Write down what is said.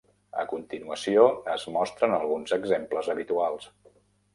A continuació es mostren alguns exemples habituals.